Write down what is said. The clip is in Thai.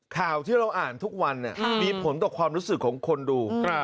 ข่าวที่เราอ่านทุกวันมีผลต่อความรู้สึกของคนดู